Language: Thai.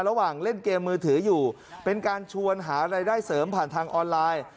ระหว่างเล่นเกมมือถืออยู่เป็นการชวนหารายได้เสริมผ่านทางออนไลน์